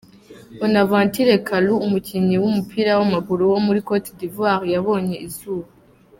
Bonaventure Kalou, umukinnyi w’umupira w’amaguru wo muri Cote d’ivoire yabonye izuba.